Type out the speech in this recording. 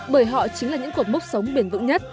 bởi họ chính là những cột mốc sống bền vững nhất